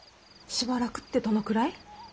しばらくってどのくらい？